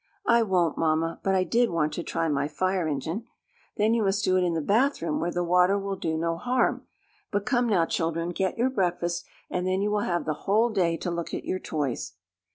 "I won't, Mamma, but I did want to try my fire engine." "Then you must do it in the bath room where the water will do no harm. But come now, children, get your breakfast and then you will have the whole day to look at your toys."